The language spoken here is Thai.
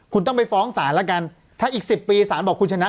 คุณต้องไปฟ้องศาลแล้วกันถ้าอีก๑๐ปีสารบอกคุณชนะ